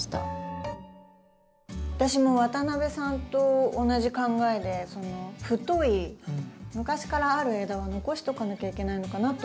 私も渡邊さんと同じ考えで太い昔からある枝は残しとかなきゃいけないのかなって思ってました。